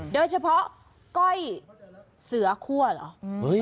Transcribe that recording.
โดยเฉพาะก้อยเสือคั่วเหรอ